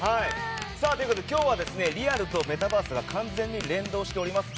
今日はリアルとメタバースが完全に連動しております。